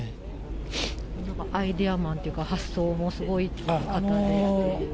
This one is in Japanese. アイデアマンというか発想もすごい方でっていう。